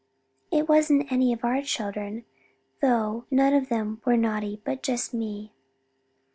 It wasn't any of our children, though, none of them were naughty but just me."